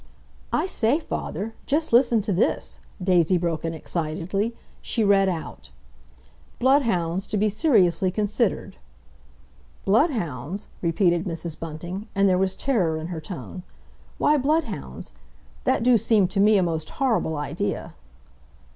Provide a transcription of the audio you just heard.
"I say, father, just listen to this!" Daisy broke in excitedly. She read out: "BLOODHOUNDS TO BE SERIOUSLY CONSIDERED" "Bloodhounds?" repeated Mrs. Bunting, and there was terror in her tone. "Why bloodhounds? That do seem to me a most horrible idea!"